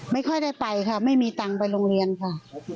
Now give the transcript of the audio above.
ไม่ค่อยได้ไปค่ะไม่มีตังค์ไปโรงเรียนค่ะ